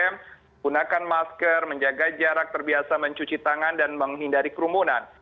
menggunakan masker menjaga jarak terbiasa mencuci tangan dan menghindari kerumunan